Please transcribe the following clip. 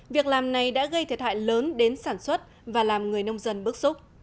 việc làm này đã gây thiệt hại lớn đến sản xuất và làm người nông dân bức xúc